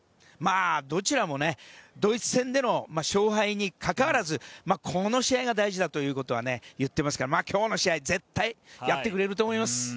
どちらもドイツ戦での勝敗にかかわらずこの試合が大事だということは言ってますから今日の試合、絶対やってくれると思います。